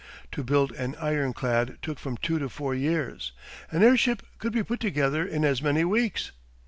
To build an ironclad took from two to four years; an airship could be put together in as many weeks.